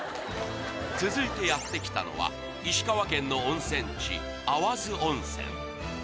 続いてやって来たのは石川県の温泉地